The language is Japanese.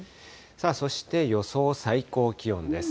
そして予想最高気温です。